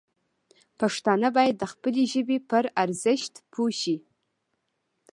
پښتانه باید د خپلې ژبې پر ارزښت پوه شي.